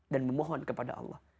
dan memohon kepada allah